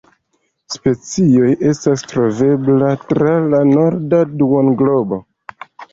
Specioj estas troveblaj tra la norda duonglobo.